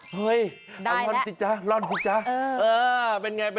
เฮ้ยเอาออกสิจ๊ะรอนสิจ๊ะเป็นไงจ้ะเออ